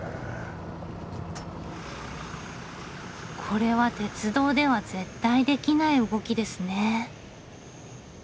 これは鉄道では絶対できない動きですね。